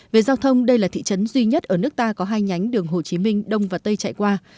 về giao thông đây là thị trấn duy nhất ở nước ta có hai nhánh đường hồ chí minh đông và tây chạy qua